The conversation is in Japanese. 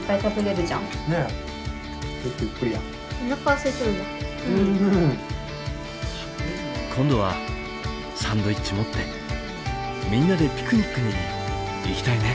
あっ今度はサンドイッチ持ってみんなでピクニックに行きたいね。